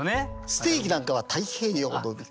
ステーキなんかは「太平洋の」。